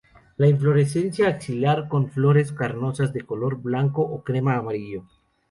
La inflorescencia axilar con flores carnosas de color blanco o crema-amarillo.